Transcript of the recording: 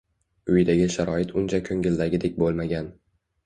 Uyidagi sharoit uncha ko’ngildagidek bo’lmagan